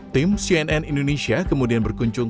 tim cnn indonesia kemudian berkunjung